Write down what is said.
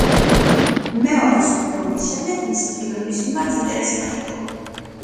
მეორე მსოფლიო ომის შემდეგ მისი ფილმების მიმართ ინტერესმა იკლო.